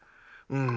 うん。